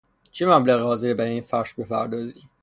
چه مبلغی حاضری برای این فرش بپردازی؟